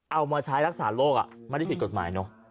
เอามาใช้รักษาโรคไม่ได้ผิดกฎหมายเนอะ